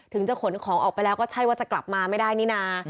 ถึงจะขนของออกไปแล้วก็ใช่ว่าจะกลับมาไม่ได้นี่นะ